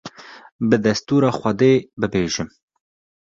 bi destûra Xwedê bibêjim